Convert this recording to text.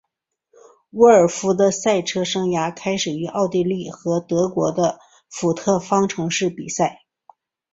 沃尔夫的赛车生涯开始于奥地利和德国的福特方程式比赛。